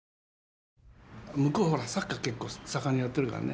向こうはサッカー結構盛んにやってるからね。